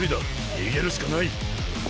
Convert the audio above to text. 逃げるしかない。